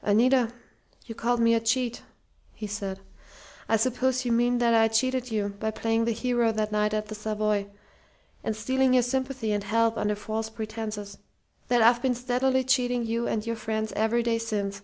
"Anita, you called me a cheat," he said. "I suppose you mean that I cheated you by playing the hero that night at the Savoy, and stealing your sympathy and help under false pretenses; that I've been steadily cheating you and your friends every day since.